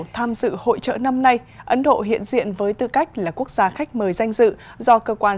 tham dự hội trợ năm nay ấn độ hiện diện với tư cách là quốc gia khách mời danh dự do cơ quan